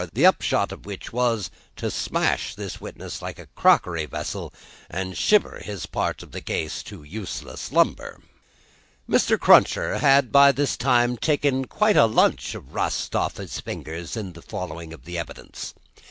The upshot of which, was, to smash this witness like a crockery vessel, and shiver his part of the case to useless lumber. Mr. Cruncher had by this time taken quite a lunch of rust off his fingers in his following of the evidence.